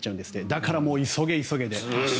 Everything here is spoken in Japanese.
だから急げ急げで。